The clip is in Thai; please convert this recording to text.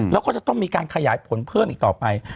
แล้วก็จะต้องมีการขยายผลเพิ่มอีกต่อไป